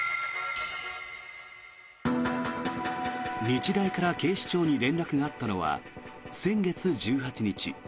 日大から警視庁に連絡があったのは先月１８日。